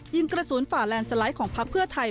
ยิงกระสุนฝ่าแลนด์สไลด์ของพักเพื่อไทย